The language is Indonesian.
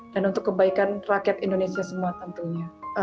dan untuk kebaikan rakyat indonesia semua tentunya